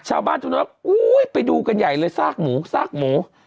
ชาวบ้านเท่านั้นอุ้ยไปดูกันใหญ่เลยซากหมูซากหมู